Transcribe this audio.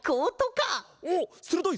おっするどい！